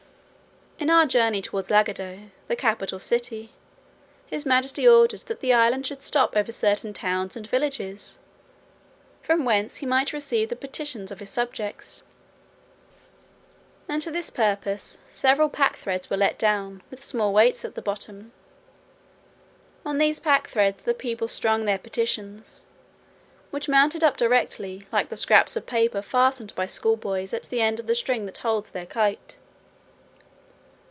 In our journey towards Lagado, the capital city, his majesty ordered that the island should stop over certain towns and villages, from whence he might receive the petitions of his subjects. And to this purpose, several packthreads were let down, with small weights at the bottom. On these packthreads the people strung their petitions, which mounted up directly, like the scraps of paper fastened by schoolboys at the end of the string that holds their kite.